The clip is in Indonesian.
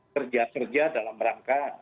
kerja kerja dalam rangka